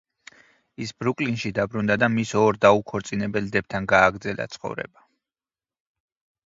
ის ბრუკლინში დაბრუნდა და მის ორ დაუქორწინებელ დებთან გააგრძელა ცხოვრება.